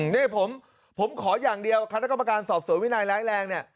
นี่ผมขออย่างเดียวคณะกรรมการสอบสวนวินัยร้ายแรงเนี่ย